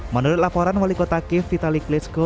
menurut laporan wali kota kiev vitaly klitschko